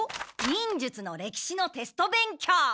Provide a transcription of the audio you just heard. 忍術のれきしのテスト勉強！